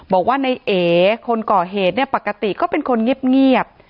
บอกว่าในเอคนก่อเหตุเนี่ยปกติก็เป็นคนเงียบ